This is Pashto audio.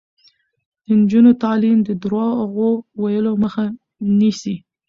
د نجونو تعلیم د درواغو ویلو مخه نیسي.